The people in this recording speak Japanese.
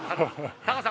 タカさん